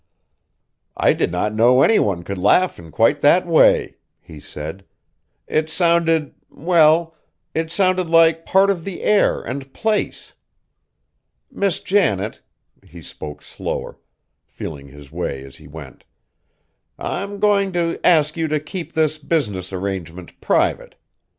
"I did not know any one could laugh in quite that way," he said. "It sounded well, it sounded like part of the air and place. Miss Janet," he spoke slower, feeling his way as he went, "I'm going to ask you to keep this business arrangement private.